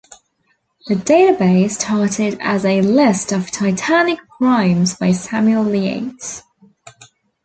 The database started as a list of titanic primes by Samuel Yates.